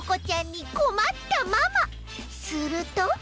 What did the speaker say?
すると！